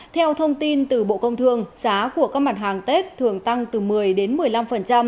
theo thông tin từ bộ công thương giá của các mặt hàng tết thường tăng từ một mươi đến một mươi năm